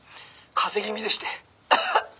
「風邪気味でして」